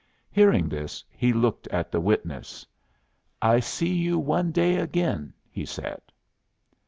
Hearing this, he looked at the witness. "I see you one day agin," he said.